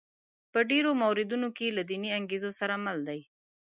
په ډېرو موردونو کې له دیني انګېزو سره مله دي.